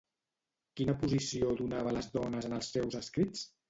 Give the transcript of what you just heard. Quina posició donava a les dones en els seus escrits?